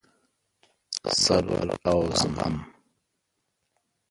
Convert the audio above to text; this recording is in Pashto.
صبر او زغم: